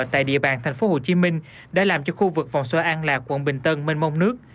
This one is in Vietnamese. tại địa bàn thành phố hồ chí minh đã làm cho khu vực vòng xoay an lạc quận bình tân mênh mông nước